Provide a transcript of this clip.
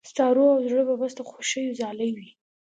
ستا روح او زړه به بس د خوښيو ځالې وي.